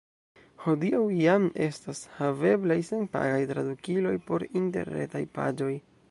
Hodiaŭ jam estas haveblaj senpagaj tradukiloj por interretaj paĝoj.